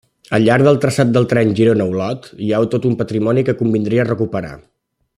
Al llarg del traçat del tren Girona-Olot hi ha tot un patrimoni que convindria recuperar.